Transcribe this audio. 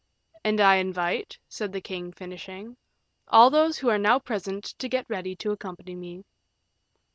"And I invite," said the king, finishing, "all those who are now present to get ready to accompany me."